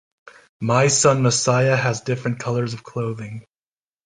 My son Messiah has different colors of clothing